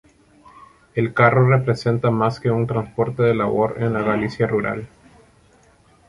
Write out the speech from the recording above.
El carro representa más que un transporte de labor en la Galicia rural.